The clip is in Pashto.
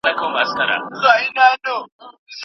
هغه تل د خپل وطن د ښکلا صفت کوي.